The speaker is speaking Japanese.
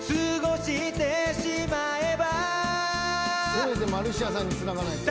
せめてマルシアさんにつながないと。